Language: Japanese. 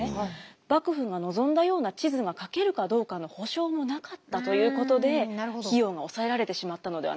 幕府が望んだような地図が書けるかどうかの保証もなかったということで費用が抑えられてしまったのではないかとされています。